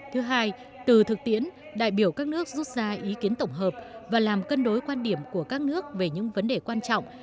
thứ hai từ thực tiễn đại biểu các nước rút ra ý kiến tổng hợp và làm cân đối quan điểm của các nước về những vấn đề quan trọng